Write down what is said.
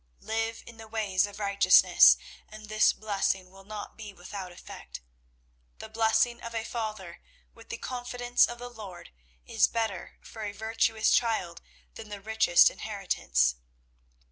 Live in the ways of righteousness, and this blessing will not be without effect. The blessing of a father with the confidence of the Lord is better for a virtuous child than the richest inheritance.